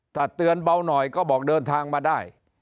ถ้าเตือนเบาหน่อยก็บอกเดินทางมาได้